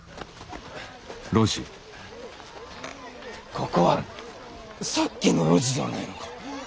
ここはさっきの路地ではないのか。